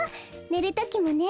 ねるときもね。